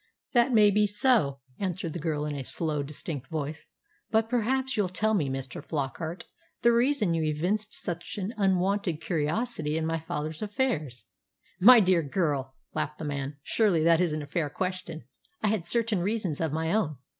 "That may be so," answered the girl in a slow, distinct voice; "but perhaps you'll tell me, Mr. Flockart, the reason you evinced such an unwonted curiosity in my father's affairs?" "My dear girl," laughed the man, "surely that isn't a fair question. I had certain reasons of my own."